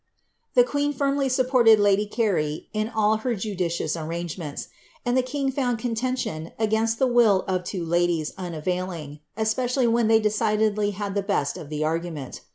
The queen firmly supported lady Cmy in all her ious arrangements, and the king found contention against the will o ladies unavailing, especially when they decidedly had the best of rgument.'